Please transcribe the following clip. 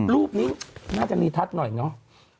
รูปนี้น่าจะรีทัศน์หน่อยเนอะ